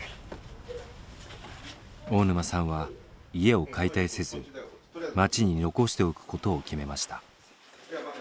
大沼さんは家を解体せず町に残しておくことを決めました。